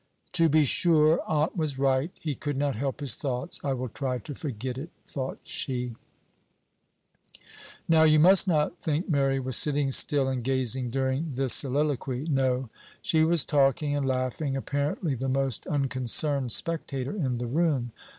"To be sure! Aunt was right; he could not help his thoughts. I will try to forget it," thought she. Now, you must not think Mary was sitting still and gazing during this soliloquy. No, she was talking and laughing, apparently the most unconcerned spectator in the room.